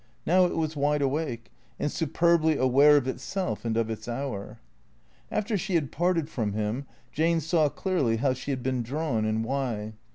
Now it was wide awake, and superbly aware of itself and of its hour. After she had parted from him Jane saw clearly how she had been drawn, and why.